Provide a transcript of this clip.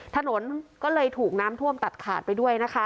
ถนนก็เลยถูกน้ำท่วมตัดขาดไปด้วยนะคะ